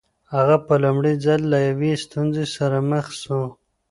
هغه په لومړي ځل له یوې ستونزې سره مخ سو.